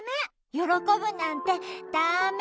よろこぶなんてダメ！